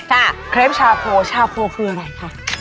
เครปชาโพชาโคคืออะไรคะ